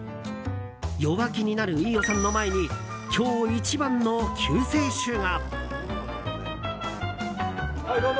弱気になる飯尾さんの前に今日一番の救世主が。